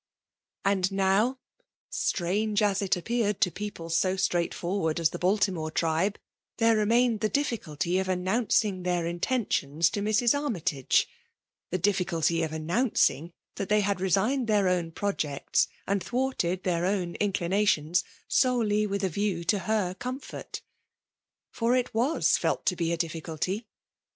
And now, strange as it appeared to people so straightforward as the Baltimote tribes there remained the difficalty of announcing theif intentions to Mrs. Armytage^ — the difficulty of annomichig that they had resigned their own projects, and thwarted their own mcli nations, soldy with a view to her comfort! For it was felt to be a difficalty